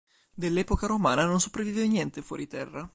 Dell'epoca romana non sopravvive niente fuori terra.